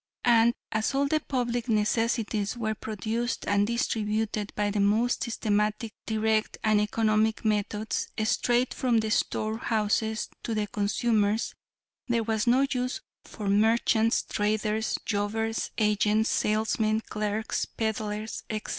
"And as all the public necessities were produced and distributed by the most systematic, direct, and economic methods, straight from the store houses to the consumers, there was no use for merchants, traders, jobbers, agents, salesmen, clerks, peddlers, etc.